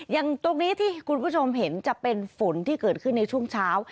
อย่างตรงนี้ที่คุณผู้ชมเห็นจะเป็นฝนที่เกิดขึ้นในช่วงเช้า